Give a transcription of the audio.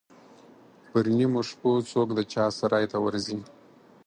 پر نیمو شپو څوک د چا سرای ته ورځي.